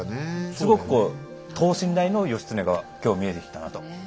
すごくこう等身大の義経が今日見えてきたなと。